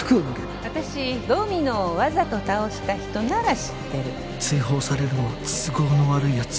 私ドミノをわざと倒した人なら知ってる。